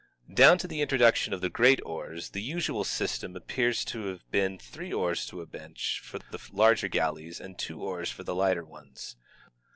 \ Down to the introduction of the great oars the usual system appears to have been three oars to a bench for the larger galleys, and two oars for lighter ones.